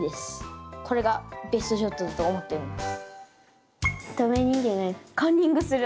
これがベストショットだと思っております。